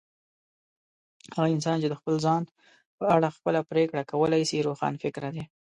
هغه انسان چي د خپل ځان په اړه خپله پرېکړه کولای سي، روښانفکره دی.